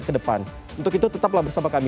ke depan untuk itu tetaplah bersama kami